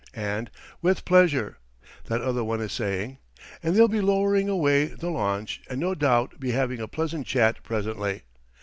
And 'With pleasure,' that other one is saying. And they'll be lowering away the launch and no doubt be having a pleasant chat presently.